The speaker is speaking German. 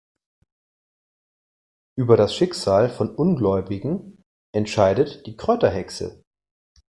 Über das Schicksal von Ungläubigen entscheidet die Kräuterhexe.